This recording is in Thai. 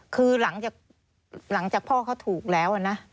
คือหลังจากพ่อเขาถูกแล้วนะ